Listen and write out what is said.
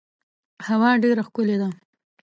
هوا ډیره ښکلې ده .